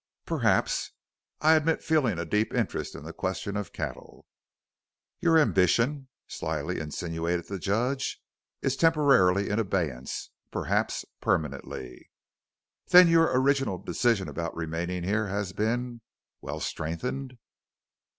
"Perhaps. I admit feeling a deep interest in the question of cattle." "Your ambition?" slyly insinuated the Judge. "Is temporarily in abeyance perhaps permanently." "Then your original decision about remaining here has been well, strengthened?"